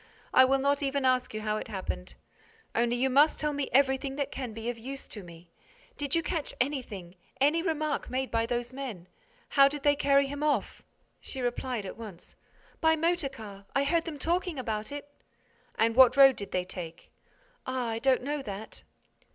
I will not even ask you how it happened. Only you must tell me everything that can be of use to me.—Did you catch anything—any remark made by those men? How did they carry him off?" She replied at once: "By motor car. I heard them talking about it—" "And what road did they take?" "Ah, I don't know that!"